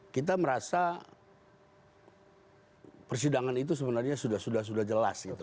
kita merasa persidangan itu sebenarnya sudah sudah jelas gitu